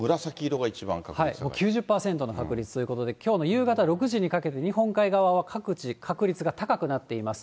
９０％の確率ということで、きょうの夕方６時にかけて、日本海側は各地、確率が高くなっています。